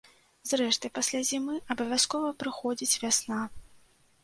Зрэшты, пасля зімы абавязкова прыходзіць вясна.